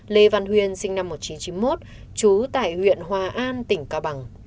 lê văn huyên sinh năm một nghìn chín trăm chín mươi một trú tại huyện hòa an tỉnh cao bằng